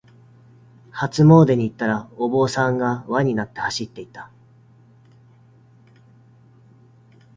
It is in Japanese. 初詣に行ったら、お坊さんが輪になって走っていた。